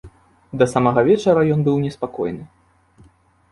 Да самага вечара ён быў неспакойны.